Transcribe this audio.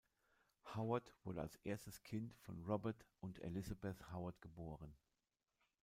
Howard wurde als erstes Kind von Robert und Elizabeth Howard geboren.